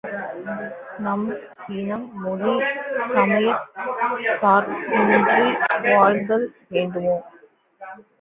நாம் இனம், மொழி, சமயச் சார்பின்றி வாழ்தல் வேண்டுமா?